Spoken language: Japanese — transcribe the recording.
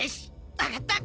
分かった！